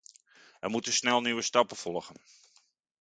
Er moeten snel nieuwe stappen volgen.